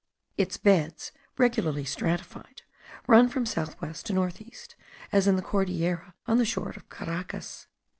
Its beds, very regularly stratified, run from south west to north east, as in the Cordillera on the shore of Caracas.